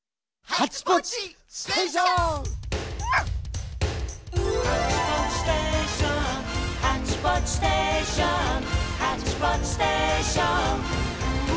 「ハッチポッチステーションハッチポッチステーション」「ハッチポッチステーション」